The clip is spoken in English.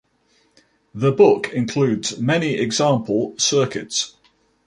The book includes many example circuits.